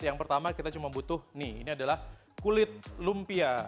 yang pertama kita cuma butuh nih ini adalah kulit lumpia